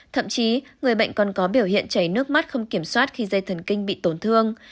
thậm chí người bệnh còn có biểu hiện chảy nước mắt không kiểm soát khi dây thần kinh bị tổn thương